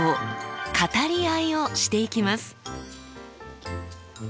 語り合いをしていきます。